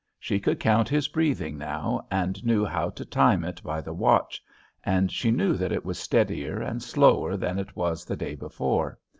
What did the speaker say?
She could count his breathing now, and knew how to time it by the watch, and she knew that it was steadier and slower than it was the day before.